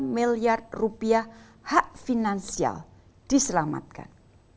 satu ratus tujuh puluh sembilan tiga miliar rupiah hak finansial diselamatkan